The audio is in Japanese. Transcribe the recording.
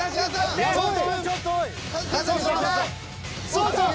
そうそう。